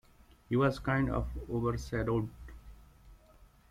He was kind of overshadowed.